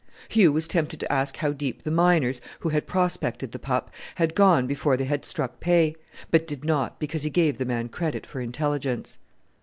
Hugh was tempted to ask how deep the miners, who had prospected the pup, had gone before they had struck pay; but did not, because he gave the man credit for intelligence.